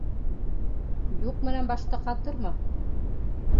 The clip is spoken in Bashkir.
— Юҡ менән башты ҡатырма.